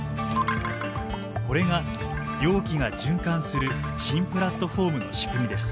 これが容器が循環する新プラットフォームの仕組みです。